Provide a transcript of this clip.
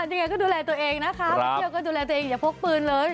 ยังไงก็ดูแลตัวเองนะคะไปเที่ยวก็ดูแลตัวเองอย่าพกปืนเลย